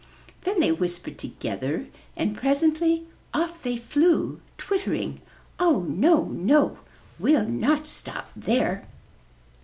Then they whispered together and presently off they flew, twittering, ''Oh, no, no! We'll not stop there.